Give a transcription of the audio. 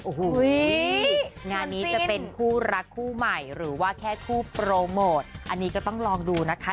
โอ้โหงานนี้จะเป็นคู่รักคู่ใหม่หรือว่าแค่คู่โปรโมทอันนี้ก็ต้องลองดูนะคะ